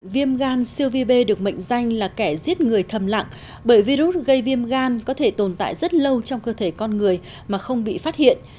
viêm gan siêu vi b được mệnh danh là kẻ giết người thầm lặng bởi virus gây viêm gan có thể tồn tại rất lâu trong cơ thể con người mà không bị phát hiện